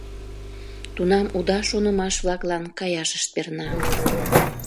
Тунам уда шонымаш-влаклан каяшышт перна.